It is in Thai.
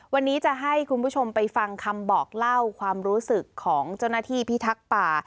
วันนี้จะให้คุณผู้ชมไปฟังคำบอกเล่าความรู้สึกของเจ้าหน้าที่พิทักษ์ป่า